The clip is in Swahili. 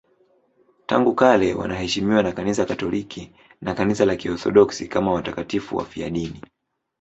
Tangu kale wanaheshimiwa na Kanisa Katoliki na Kanisa la Kiorthodoksi kama watakatifu wafiadini.